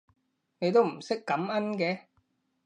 你都唔識感恩嘅